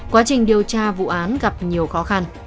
quá trình điều tra vụ án gặp nhiều khó khăn